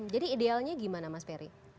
jadi idealnya gimana mas ferry